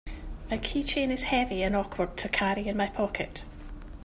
My keychain is heavy and awkward to carry in my pocket.